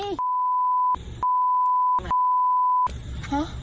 ห้ะ